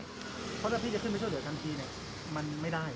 เพราะถ้าพี่จะขึ้นไปช่วยเหลือทันทีมันไม่ได้